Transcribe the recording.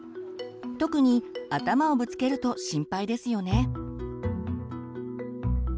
特に頭をぶつけると心配ですよね。